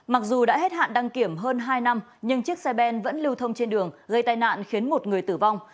mặc dù đã hết hạn đăng kiểm hơn hai năm nhưng chiếc xe ben vẫn lưu thông trên đường gây tai nạn khiến một người tử vong